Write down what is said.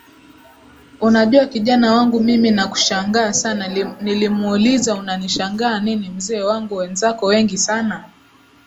Unajua kijana wangu mimi nakushangaa sana Nilimuuliza unanishangaa nini mzee wangu Wenzako wengi sana